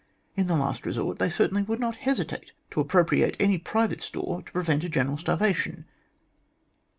In the last resort they certainly would not hesitate to appropriate any private store to prevent a general starvation.